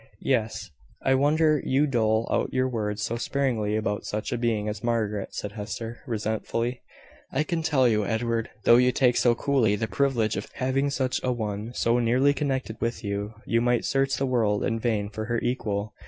"Yes." "I wonder you dole out your words so sparingly about such a being as Margaret," said Hester, resentfully. "I can tell you, Edward, though you take so coolly the privilege of having such a one so nearly connected with you, you might search the world in vain for her equal.